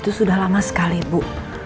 itu sudah lama sekali bu